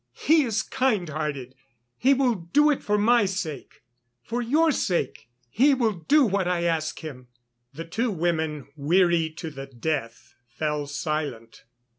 "He is kind hearted. He will do it for my sake ... for your sake, he will do what I ask him." The two women, weary to the death, fell silent.